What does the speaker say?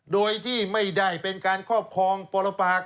โดยที่ไม่ได้เป็นการครอบครองปรปาก